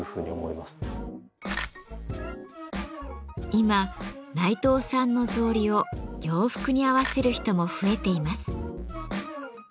今内藤さんの草履を洋服に合わせる人も増えています。